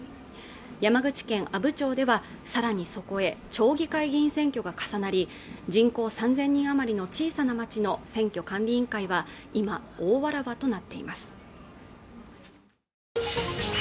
山口県阿武町では更にそこへ町議会議員選挙が重なり人口３０００人あまりの小さな町の選挙管理委員会は今大わらわとなっています